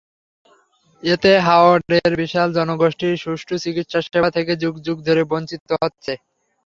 এতে হাওরের বিশাল জনগোষ্ঠী সুষ্ঠু চিকিৎসাসেবা থেকে যুগ যুগ ধরে বঞ্চিত হচ্ছে।